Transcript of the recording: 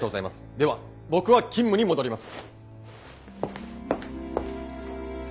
では僕は勤務に戻ります！